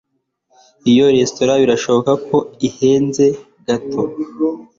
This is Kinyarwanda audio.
Iyo resitora birashoboka ko ihenze gato